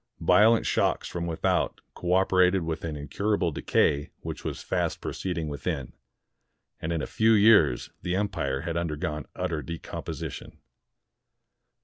Violent shocks from without cooperated with an incur able decay which was fast proceeding within; and in a few years the empire had undergone utter decom position.